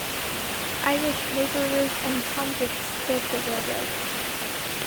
Irish laborers and convicts built the railroad.